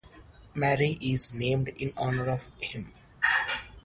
Marie is named in honor of him.